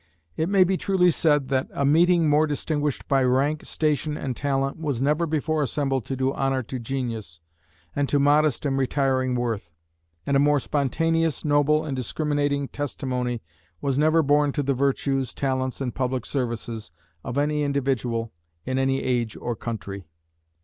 It may truly be said that A meeting more distinguished by rank, station and talent, was never before assembled to do honour to genius, and to modest and retiring worth; and a more spontaneous, noble, and discriminating testimony was never borne to the virtues, talents, and public services of any individual, in any age or country.